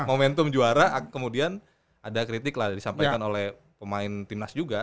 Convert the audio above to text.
momentum juara kemudian ada kritik lah disampaikan oleh pemain timnas juga